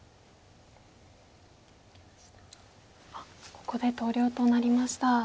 ここで投了となりました。